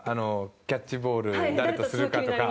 キャッチボール誰とするかとか。